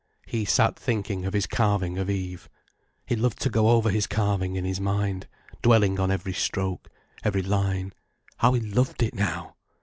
He sat thinking of his carving of Eve. He loved to go over his carving in his mind, dwelling on every stroke, every line. How he loved it now!